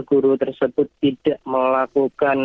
guru tersebut tidak melakukan